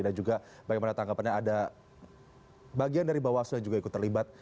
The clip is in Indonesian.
dan juga bagaimana tangkapannya ada bagian dari bawah sudah juga ikut terlibat